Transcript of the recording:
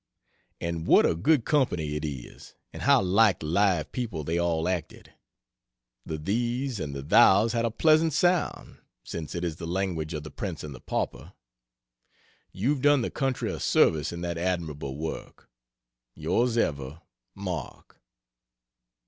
And what a good company it is, and how like live people they all acted! The "thee's" and the "thou's" had a pleasant sound, since it is the language of the Prince and the Pauper. You've done the country a service in that admirable work.... Yrs Ever, MARK.